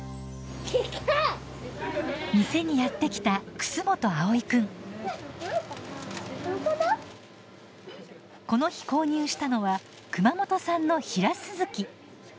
店にやって来たこの日購入したのは熊本産のヒラスズキ。